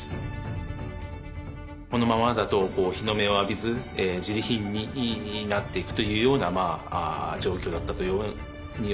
このままだと日の目を浴びずじり貧になっていくというような状況だったというように思います。